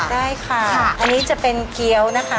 ได้ค่ะอันนี้จะเป็นเกี้ยวนะคะ